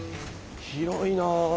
広いなあ。